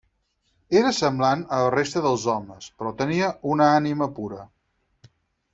Era semblant a la resta dels homes, però tenia una ànima pura.